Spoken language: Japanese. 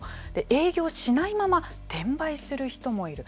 営業しないまま転売する人もいる。